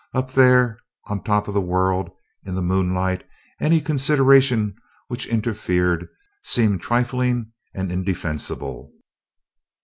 Up there on top of the world, in the moonlight, any consideration which interfered seemed trifling and indefensible.